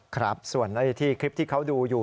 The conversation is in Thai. ครับส่วนที่คลิปที่เขาดูอยู่